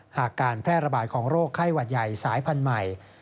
การแพร่ระบาดของโรคไข้หวัดใหญ่สายพันธุ์ใหม่